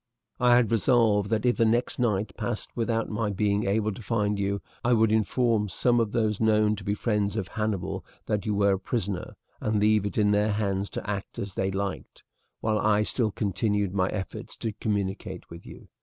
I had resolved that if the next night passed without my being able to find you, I would inform some of those known to be friends of Hannibal that you were a prisoner, and leave it in their hands to act as they liked, while I still continued my efforts to communicate with you.